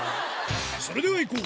それではいこう！